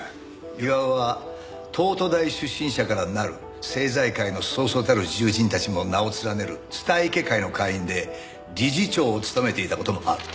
巌は東都大出身者からなる政財界のそうそうたる重鎮たちも名を連ねる蔦池会の会員で理事長を務めていた事もある。